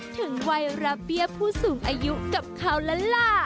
เขาเป็นเบียบผู้สูงอายุกับเขาละล่ะ